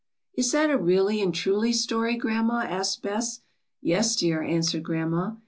'Is that a really and truly story, grandma?" asked Bess. ^^Yes, dear," answered grandma.